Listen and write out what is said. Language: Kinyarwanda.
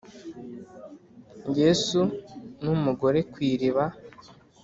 yesu n umugore ku iriba